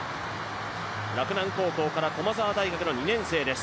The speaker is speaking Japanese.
洛南高校から駒澤大学の２年生です。